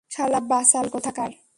শালা বাচাল কোথাকার!